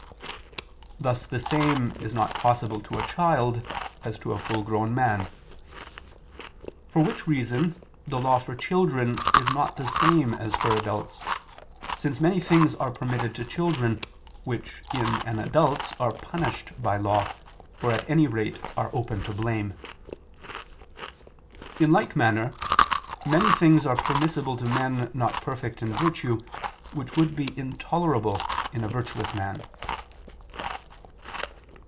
Thus the same is not possible to a child as to a full grown man: for which reason the law for children is not the same as for adults, since many things are permitted to children, which in an adult are punished by law or at any rate are open to blame. In like manner many things are permissible to men not perfect in virtue, which would be intolerable in a virtuous man.